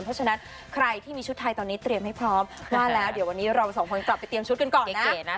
เพราะฉะนั้นใครที่มีชุดไทยตอนนี้เตรียมให้พร้อมว่าแล้วเดี๋ยววันนี้เราสองคนกลับไปเตรียมชุดกันก่อนนะ